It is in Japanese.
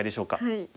はい。